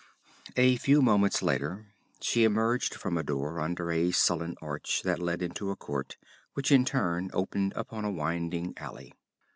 A few moments later she emerged from a door under a sullen arch that led into a court which in turn opened upon a winding alley.